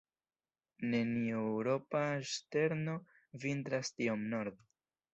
Neniu eŭropa ŝterno vintras tiom norde.